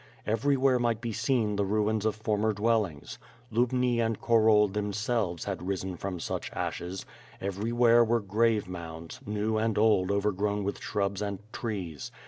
Everywhere might be seen the ruins of former dwellings. Lubni and Khorol themselves had risen from such ashes; everywhere were grave mounds, new and old overgrown with shrubs and trees.